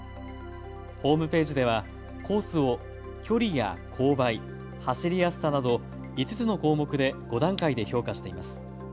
ホームページではコースを距離や勾配、走りやすさなど５つの項目で５段階で評価しています。